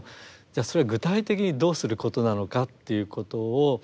あそれは具体的にどうすることなのかっていうことを。